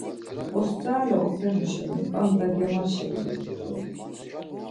Osterale oxenu şeni p̌anda germaşe ulurt̆u doren.